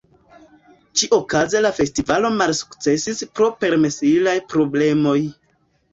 Ĉiuokaze la festivalo malsukcesis pro permesilaj problemoj.